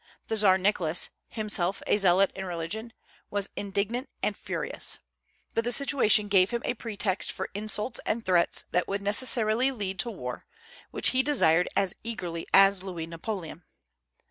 The Czar Nicholas, himself a zealot in religion, was indignant and furious; but the situation gave him a pretext for insults and threats that would necessarily lead to war, which he desired as eagerly as Louis Napoleon.